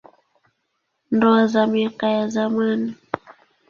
Ndoa za miaka ya zamani.